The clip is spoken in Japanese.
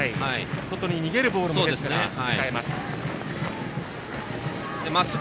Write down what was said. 外に逃げるボールも使えます。